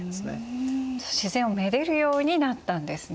自然を愛でるようになったんですね。